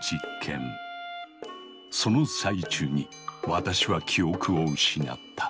その最中に私は記憶を失った。